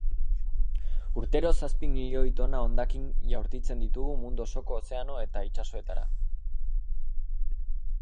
Urtero zazpi milioi tona hondakin jaurtitzen ditugu mundu osoko ozeano eta itsasoetara.